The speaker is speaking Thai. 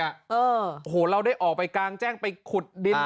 โอ้โหเราได้ออกไปกลางแจ้งไปขุดดิน